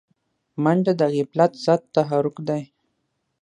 منډه د غفلت ضد تحرک دی